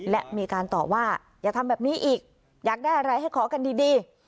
และมีการตอบว่าอย่าทำแบบนี้อีกอยากได้อะไรให้ขอกันดี